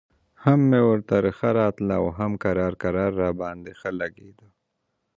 هم مې ورته رخه راتله او هم کرار کرار راباندې ښه لګېده.